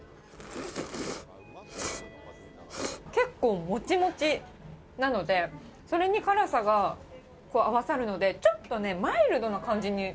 結構もちもちなので、それに辛さが合わさるので、ちょっとね、マイルドな感じに。